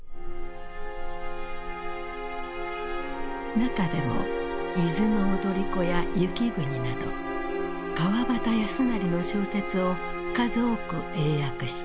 中でも「伊豆の踊子」や「雪国」など川端康成の小説を数多く英訳した。